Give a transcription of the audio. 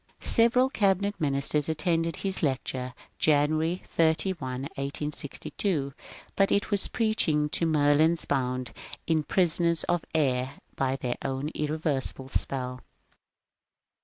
Several Cabinet ministers attended his lecture (Janu ary 31, 1862), but it was preaching to Merlins bound in prisons of air by their own irreversible spell.